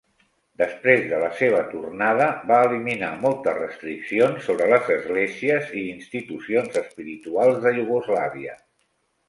Després de la seva tornada, va eliminar moltes restriccions sobre les esglésies i institucions espirituals de Iugoslàvia.